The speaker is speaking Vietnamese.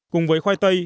cùng với khoai tây